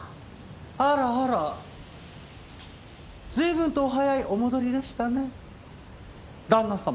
あらあら随分とお早いお戻りでしたね旦那様。